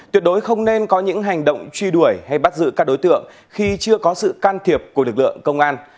tuyệt đối không nên có những hành động truy đuổi hay bắt giữ các đối tượng khi chưa có sự can thiệp của lực lượng công an